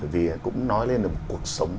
vì cũng nói lên là một cuộc sống